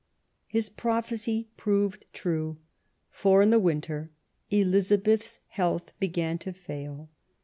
His prophecy proved true, for in the winter Elizabeth'f health began to fail.